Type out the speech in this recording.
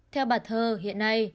theo bà thơ hiện nay